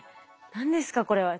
何ですかこれは。